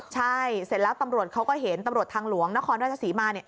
ใช่เสร็จแล้วตำรวจเขาก็เห็นตำรวจทางหลวงนครราชศรีมาเนี่ย